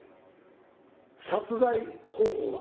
殺害方法は？